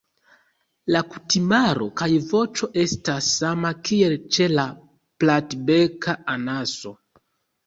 La kutimaro kaj voĉo estas sama kiel ĉe la Platbeka anaso.